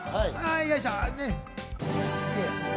よいしょ！